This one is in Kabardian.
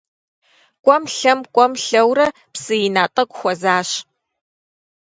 КӀуэм-лъэм, кӀуэм-лъэурэ, псы ина тӀэкӀу хуэзащ.